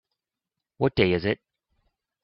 What day is it?